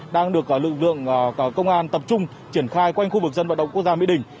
đang được lực lượng công an tập trung triển khai quanh khu vực dân vận động quốc gia mỹ đình